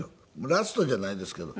ラストじゃないんですけど。